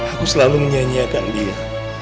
aku selalu menyanyi akan dia